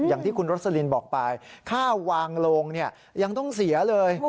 อย่างที่คุณรสลินบอกไปค่าวางโลงยังต้องเสียเลย